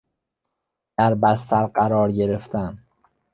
در بستر قرار گرفتن